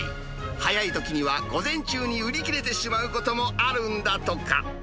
早いときには午前中に売り切れてしまうこともあるんだとか。